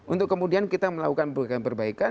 untuk kemudian kita melakukan perbaikan